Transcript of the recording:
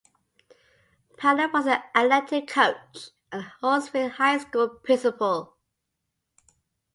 Pannell was the athletic coach and Hallsville High School principal.